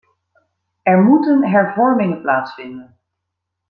Er moeten hervormingen plaatsvinden.